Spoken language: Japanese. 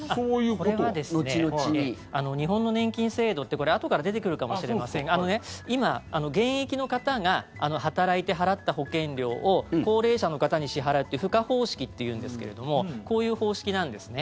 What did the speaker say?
これはですね日本の年金制度ってこれ、あとから出てくるかもしれませんが今、現役の方が働いて払った保険料を高齢者の方に支払うっていう賦課方式というんですけれどもこういう方式なんですね。